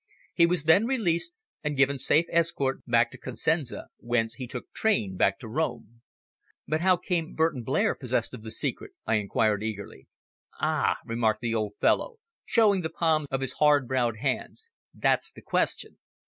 He was then released, and given safe escort back to Cosenza, whence he took train back to Rome." "But how came Burton Blair possessed of the secret?" I inquired eagerly. "Ah!" remarked the old fellow, showing the palms of his hard brown hands, "that's the question.